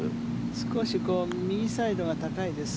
少し右サイドが高いです。